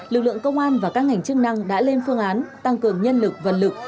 lực lượng công an và các ngành chức năng đã lên phương án tăng cường nhân lực vật lực